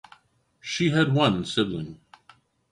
She had one sibling.